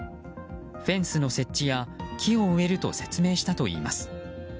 フェンスの設置や木を植えると説明したといいます。